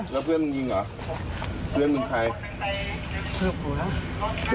แล้วเพื่อนมึงยิงหรือเพื่อนมึงใคร